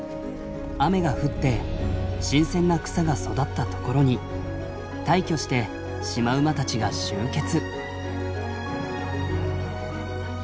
雨が降って新鮮な草が育った所に大挙してシマウマたちが集結。